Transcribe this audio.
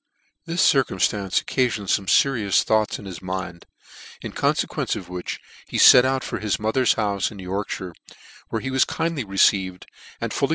This circumftance occafioned fome ferious thoughts in his mind, in confequence of which he fet out for his mother's houfc in YorkuY.re, where he was kindly received, . and fully